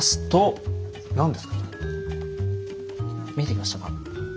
見えてきましたか？